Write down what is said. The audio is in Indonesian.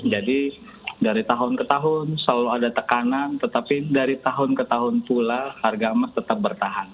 jadi dari tahun ke tahun selalu ada tekanan tetapi dari tahun ke tahun pula harga emas tetap bertahan